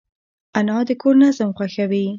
انا د کور نظم خوښوي